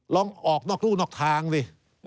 ลองออกนอกรู่นอกทางดิ